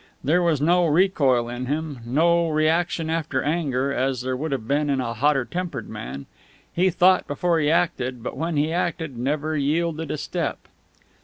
There was no recoil in him, no reaction after anger, as there would have been in a hotter tempered man. He thought before he acted, but, when he acted, never yielded a step.